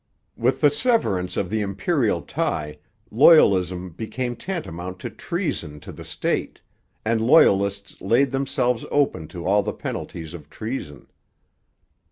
With the severance of the Imperial tie, loyalism became tantamount to treason to the state; and Loyalists laid themselves open to all the penalties of treason.